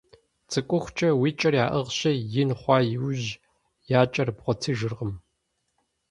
Цӏыкӏухукӏэ уи кӏэр яӏыгъщи, ин хъуа иужь я кӏэр бгъуэтыжыркъым.